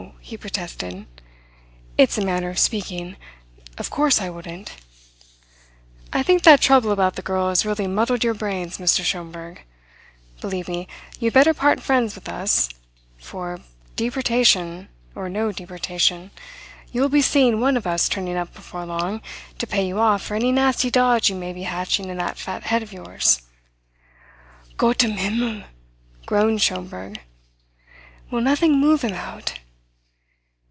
he protested. "It's a manner of speaking. Of course I wouldn't." "I think that trouble about the girl has really muddled your brains, Mr. Schomberg. Believe me, you had better part friends with us; for, deportation or no deportation, you'll be seeing one of us turning up before long to pay you off for any nasty dodge you may be hatching in that fat head of yours." "Gott im Himmel!" groaned Schomberg. "Will nothing move him out?